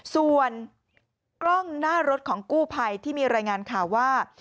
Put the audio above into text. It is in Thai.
ส่วนกล้องหน้ารถของกู้ภัยที่มีรายงานข่าวว่า